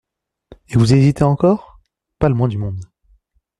Et vous hésitez encore ? Pas le moins du monde.